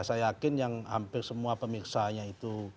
saya yakin yang hampir semua pemirsanya itu